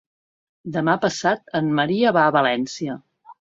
Demà passat en Maria va a València.